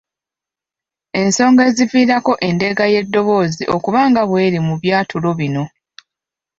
Ensonga eziviirako endeega y’eddoboozi okuba nga bw'eri mu byatulo bino.